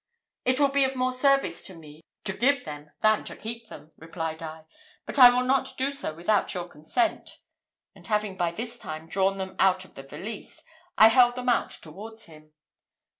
"It will be of more service to me to give them than to keep them," replied I; "but I will not do so without your consent;" and having by this time drawn them out of the valise, I held them out towards him.